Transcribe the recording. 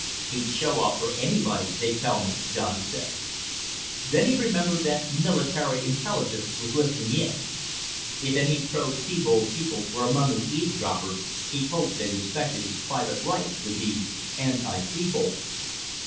"He'd show off for anybody, they tell me," Don said. Then he remembered that Military Intelligence was listening in. If any pro Thebold people were among his eavesdroppers, he hoped they respected his private right to be anti Thebold.